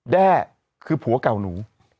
แด้คือผัวเก่าหนู